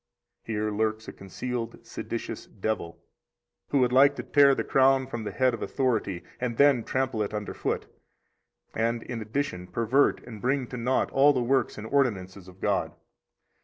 62 Here lurks a concealed seditious devil, who would like to tear the crown from the head of authority and then trample it under foot, and, in addition, pervert and bring to naught all the works and ordinances of God.